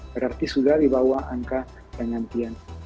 berarti sudah dibawah angka penyantian